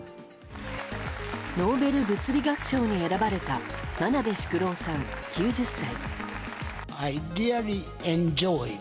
ノーベル物理学賞に選ばれた真鍋淑郎さん、９０歳。